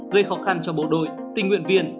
gây khó khăn cho bộ đội tình nguyện viên